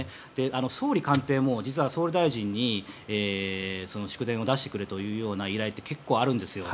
総理官邸も実は総理大臣に祝電を出してくれというような依頼って結構あるんですよ。